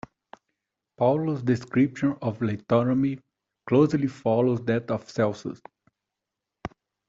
Paulus' description of lithotomy closely follows that of Celsus.